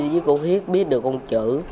với cô hít biết được con chữ